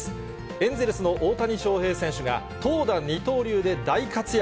エンゼルスの大谷翔平選手が、投打二刀流で大活躍。